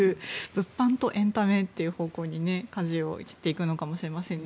物販とエンタメっていう方向にかじを切っていくのかもしれませんね。